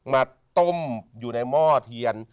มาต้มอยู่ในหม้อเทียน